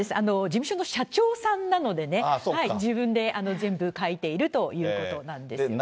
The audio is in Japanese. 事務所の社長さんなのでね、自分で全部書いているということなんですね。